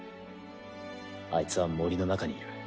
アイツは森の中にいる。